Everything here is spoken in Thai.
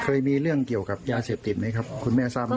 เคยมีเรื่องเกี่ยวกับยาเสพติดไหมครับคุณแม่ทราบไหม